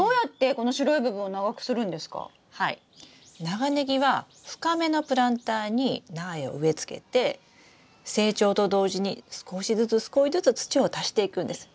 長ネギは深めのプランターに苗を植えつけて成長と同時に少しずつ少しずつ土を足していくんです。